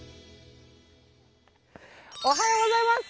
おはようございます。